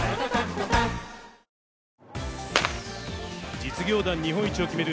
実業団日本一を決める